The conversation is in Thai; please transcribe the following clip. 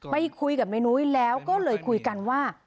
ไปคุยกับนายนุ้ยแล้วก็เลยคุยกันว่า